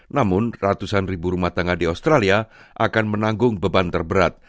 namun ratusan ribu rumah tangga di australia akan menanggung beban terberat